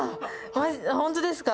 本当ですか。